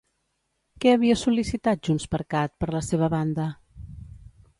Què havia sol·licitat JxCat, per la seva banda?